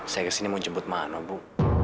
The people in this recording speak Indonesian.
saya ke sini mau jemput mano bu